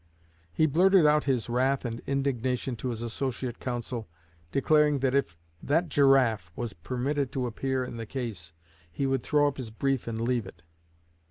He blurted out his wrath and indignation to his associate counsel, declaring that if "that giraffe" was permitted to appear in the case he would throw up his brief and leave it.